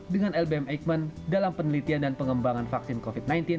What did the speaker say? dengan lbm eijkman dalam penelitian dan pengembangan vaksin covid sembilan belas